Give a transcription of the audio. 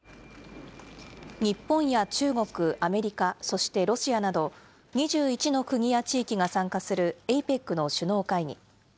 日本や中国、アメリカ、そしてロシアなど、２１の国や地域が参加するＡＰＥＣの首脳会議。